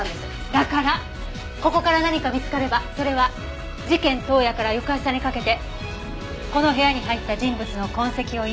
だからここから何か見つかればそれは事件当夜から翌朝にかけてこの部屋に入った人物の痕跡を意味する。